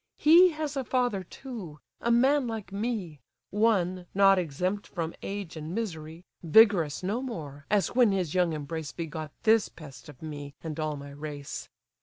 He has a father too; a man like me; One, not exempt from age and misery (Vigorous no more, as when his young embrace Begot this pest of me, and all my race).